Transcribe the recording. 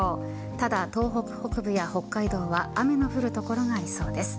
ただ、東北北部や北海道は雨の降る所がありそうです。